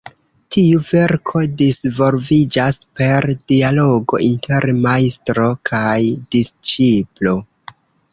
Tiu verko disvolviĝas per dialogo inter majstro kaj disĉiplo.